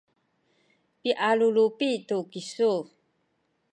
pialulupi tu kisu